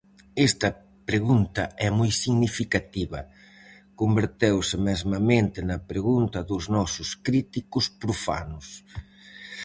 Esta pregunta é moi significativa; converteuse mesmamente na pregunta dos nosos críticos profanos.